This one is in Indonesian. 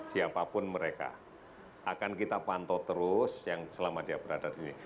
siapapun mereka akan kita pantau terus yang selama dia berada di sini